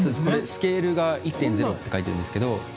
スケールが「１．０」って書いてあるんですけど。